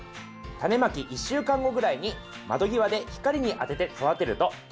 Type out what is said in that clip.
タネまき１週間後ぐらいに窓際で光に当てて育てると１０日間で完成します。